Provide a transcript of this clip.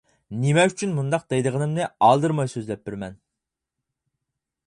نېمە ئۈچۈن مۇنداق دەيدىغىنىمنى ئالدىرىماي سۆزلەپ بېرىمەن.